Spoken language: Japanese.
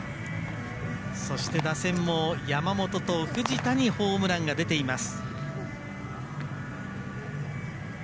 そして、打線も山本と藤田にホームランが出ています。